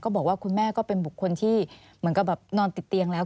บอกว่าคุณแม่ก็เป็นบุคคลที่เหมือนกับแบบนอนติดเตียงแล้ว